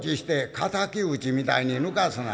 「敵討ちみたいにぬかすな」。